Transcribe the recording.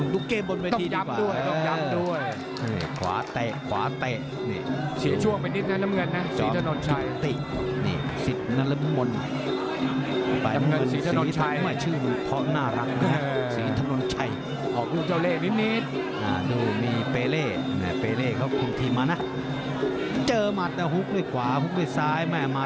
เดี๋ยวถ้าเราคุยมากเดี๋ยวมามวยไม่ออกมันไม่ได้มา